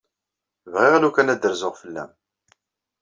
Bɣiɣ lukan ad d-rzuɣ fell-m.